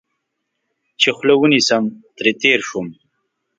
چې خوله ونیسم، ترې تېر شوم.